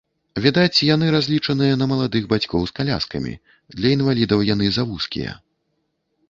Відаць, яны разлічаныя на маладых бацькоў з каляскамі, для інвалідаў яны завузкія.